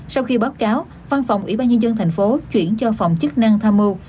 sau khi báo cáo văn phòng ủy ban nhân dân thành phố chuyển cho phòng chức năng tham mưu